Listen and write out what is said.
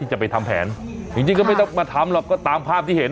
จะไปทำแผนจริงก็ไม่ต้องมาทำหรอกก็ตามภาพที่เห็น